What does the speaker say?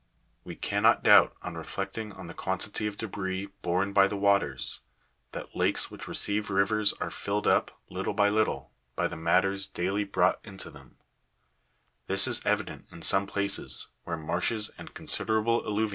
We cannot doubt, on reflecting on the quantity of debris borne by the waters, that Jakes which receive rivers are filled up, little by little, by the matters daily brought into them ; this is evident, in some places, where marshes and considerable alluvions are thus formed.